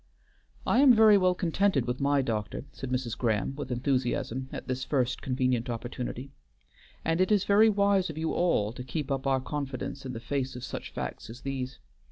"I am very well contented with my doctor," said Mrs. Graham, with enthusiasm, at this first convenient opportunity. "And it is very wise of you all to keep up our confidence in the face of such facts as these.